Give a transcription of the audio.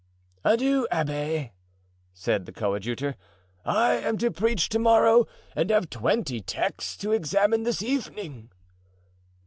"Adieu, abbé," said the coadjutor, "I am to preach to morrow and have twenty texts to examine this evening."